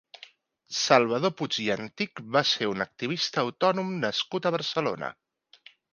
Salvador Puig i Antich va ser un activista autònom nascut a Barcelona.